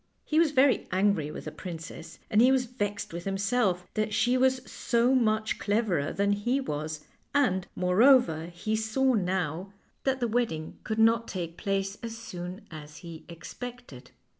He was very angry with the princess, and he was vexed with himself that she was so much clev erer than he was, and, moreover, he saw now that 130 FAIRY TALES the wedding could not take place as soon as he expected.